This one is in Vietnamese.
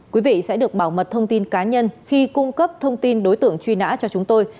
quý vị sẽ được bảo mật thông tin cá nhân khi cung cấp thông tin đối tượng truy nã cho chúng tôi